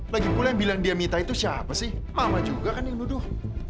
lagipula yang bilang dia mita itu siapa sih mama juga kan yang nuduh